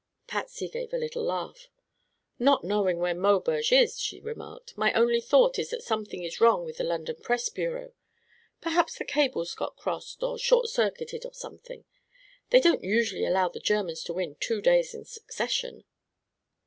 Patsy gave a little laugh. "Not knowing where Maubeuge is," she remarked, "my only thought is that something is wrong with the London press bureau. Perhaps the cables got crossed or short circuited or something. They don't usually allow the Germans to win two days in succession."